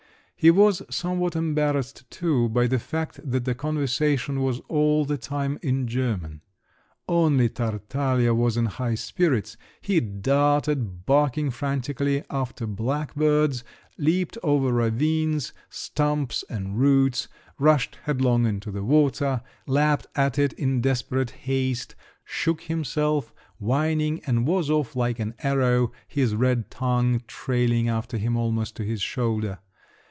He was somewhat embarrassed too by the fact that the conversation was all the time in German. Only Tartaglia was in high spirits! He darted, barking frantically, after blackbirds, leaped over ravines, stumps and roots, rushed headlong into the water, lapped at it in desperate haste, shook himself, whining, and was off like an arrow, his red tongue trailing after him almost to his shoulder.